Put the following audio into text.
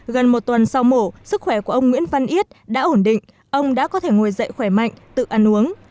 gần một tuần sau mổ sức khỏe của ông nguyễn văn yết đã ổn định ông đã có thể ngồi dậy khỏe mạnh tự ăn uống